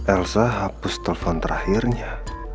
elsa hapus telpon terakhirnya